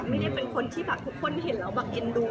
ไม่ได้เป็นคนที่แบบทุกคนเห็นแล้วแบบเอ็นดู